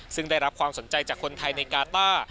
ซึ่งได้รับความสนใจจากคนไทยในกาต้า